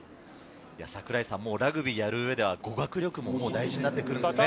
ラグビーをやる上では、語学力も大事になってくるんですね。